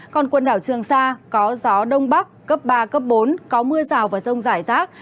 còn quần đảo trường sa có gió đông bắc cấp ba cấp bốn có mưa rào và rông rải rác